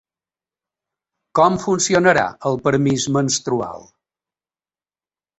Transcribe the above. Com funcionarà el permís menstrual?